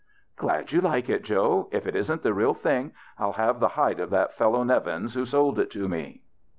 " Glad you like it, Joe. If it isn't the real thing, I'll have the hide of that fellow, Nev ins, who sold it to me."